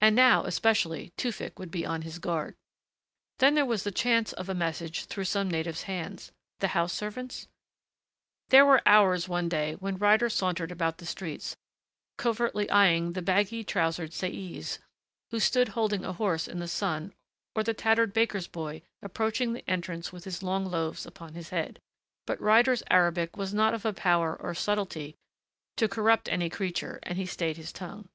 And now, especially, Tewfick would be on his guard. Then there was the chance of a message through some native's hands. The house servants ? There were hours, one day, when Ryder sauntered about the streets, covertly eyeing the baggy trousered sais who stood holding a horse in the sun or the tattered baker's boy, approaching the entrance with his long loaves upon his head, but Ryder's Arabic was not of a power or subtlety to corrupt any creature, and he stayed his tongue.